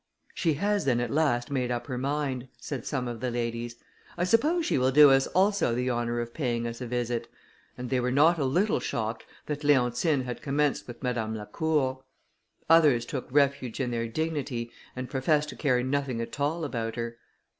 "She has then, at last, made up her mind," said some of the ladies; "I suppose she will do us also the honour of paying us a visit;" and they were not a little shocked that Leontine had commenced with Madame Lacour. Others took refuge in their dignity, and professed to care nothing at all about her.